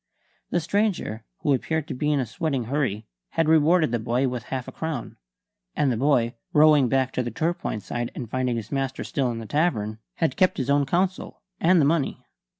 The stranger, who appeared to be in a sweating hurry, had rewarded the boy with half a crown; and the boy, rowing back to the Torpoint side and finding his master still in the tavern, had kept his own counsel and the money.